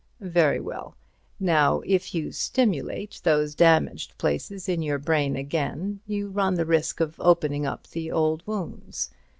"Very well. Now, if you stimulate those damaged places in your brain again, you run the risk of opening up the old wounds.